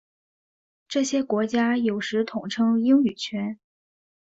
这些国家有时统称英语圈。